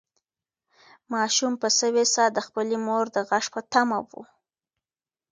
ماشوم په سوې ساه د خپلې مور د غږ په تمه و.